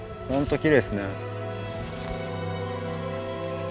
きれいですね。